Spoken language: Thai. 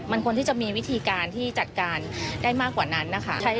มันควรที่จะมีวิธีการที่จัดการได้มากกว่านั้นนะคะ